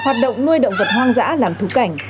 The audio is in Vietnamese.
hoạt động nuôi động vật hoang dã làm thú cảnh